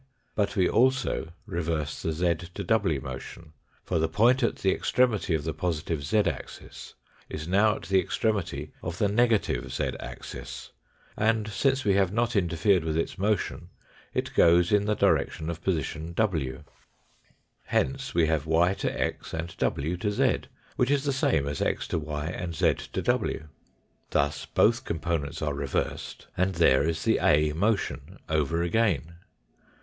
But we also reverse the z to w motion, for the point at the extremity of the positive axis is now at the extremity of the negative z axis, and since we have not interfered with its motion it goes in the direction of position w. Hence we have y to x and w to 0, which is the same as x to y and z to w. Thus both components are reversed, and there is the A motion over again.